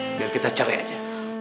biar kita cerai aja